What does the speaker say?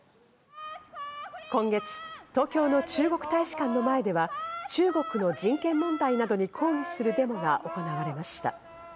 今月、東京の中国大使館の前では中国の人権問題などに抗議するデモが行われました。